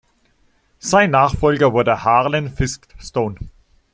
Sein Nachfolger wurde Harlan Fiske Stone.